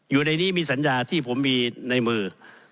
อยู่ในนี้มีสัญญาที่ผมมีในมือ